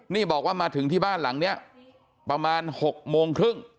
นี่บอกว่ามาถึงที่บ้านหลังนี้ประมาณ๖โมงครึ่ง